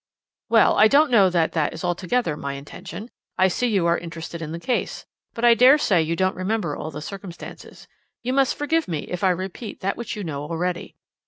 "Well, I don't know that that is altogether my intention. I see you are interested in the case, but I dare say you don't remember all the circumstances. You must forgive me if I repeat that which you know already.